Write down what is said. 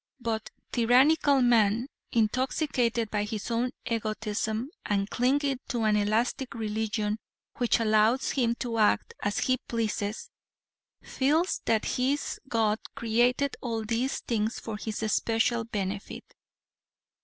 But tyrannical man, intoxicated by his own egotism and clinging to an elastic religion which allows him to act as he pleases, feels that his god created all these things for his special benefit.